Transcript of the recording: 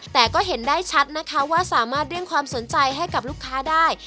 แต่ก็เห็นได้ชัดนะคะว่าสามารถเรียกความสนใจให้กับลูกค้าได้